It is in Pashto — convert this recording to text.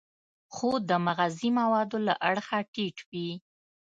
خو د مغذي موادو له اړخه ټیټ وي.